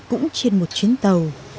cũng trên một chuyến tàu